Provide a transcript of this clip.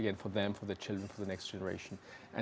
dan tidak banyak pekerjaan